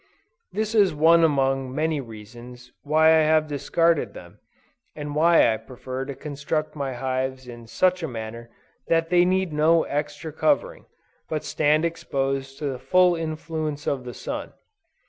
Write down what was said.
This is one among many reasons why I have discarded them, and why I prefer to construct my hives in such a manner that they need no extra covering, but stand exposed to the full influence of the sun.